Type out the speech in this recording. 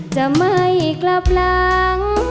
จะไม่กลับหลัง